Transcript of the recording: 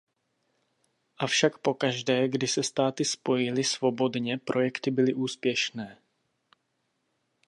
Avšak pokaždé, kdy se státy spojily svobodně, projekty byly úspěšné.